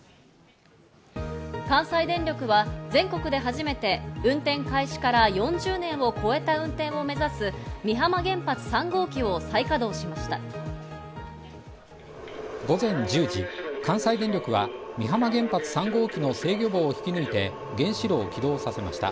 関西電力は全国で初めて運転開始から４０年を超えた運転を目指す美浜原発３号機を再稼働しました。